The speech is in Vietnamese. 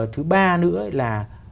thứ ba nữa là